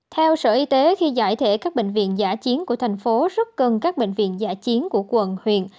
theo sở y tế khi giải thể các bệnh viện giả chiến của thành phố rất cần các bệnh viện giả chiến của quận huyện